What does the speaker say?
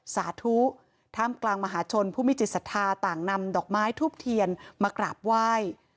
สาธุท่ามกลางมหาชนผู้มีจิตศรัทธาต่างนำดอกไม้ทูบเทียนมากราบไหว้